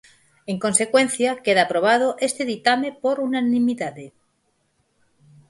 En consecuencia, queda aprobado este ditame por unanimidade.